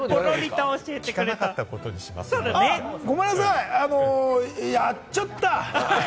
いや、ごめんなさい、やっちゃった。